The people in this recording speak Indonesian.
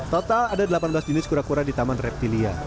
total ada delapan belas jenis kura kura di taman reptilia